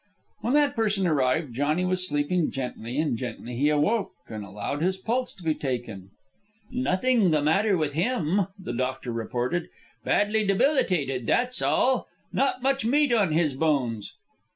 When that person arrived, Johnny was sleeping gently, and gently he awoke and allowed his pulse to be taken. "Nothing the matter with him," the doctor reported. "Badly debilitated, that's all. Not much meat on his bones."